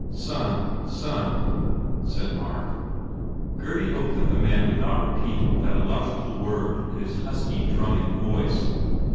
"Son, son," said Mark. 137 THE FAIR REWARDS Gurdy hoped that the man would not repeat that illogical word in his husky, drumming voice.